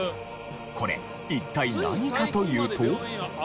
これ一体何かというと。